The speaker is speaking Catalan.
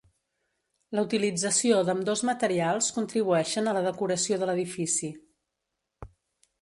La utilització d'ambdós materials contribueixen a la decoració de l'edifici.